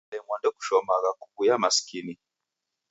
Kalemwa ndekushomagha kuw'uya masikini.